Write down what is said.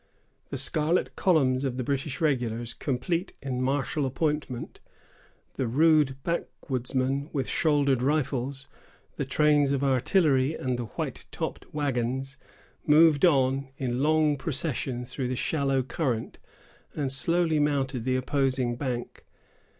The scarlet columns of the British regulars, complete in martial appointment, the rude backwoodsmen with shouldered rifles, the trains of artillery and the white topped wagons, moved on in long procession through the shallow current, and slowly mounted the opposing bank.